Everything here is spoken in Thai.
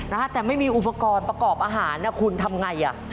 นะฮะแต่ไม่มีอุปกรณ์ประกอบอาหารนะคุณทำไงอ่ะ